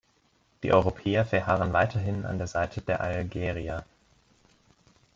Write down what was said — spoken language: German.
Die Europäer verharren weiterhin an der Seite der Algerier.